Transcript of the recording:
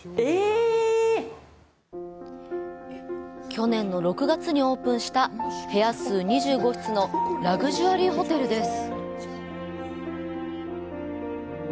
去年の６月にオープンした部屋数２５室のラグジュアリーホテルです。